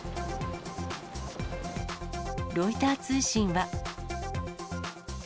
ロイター通信は。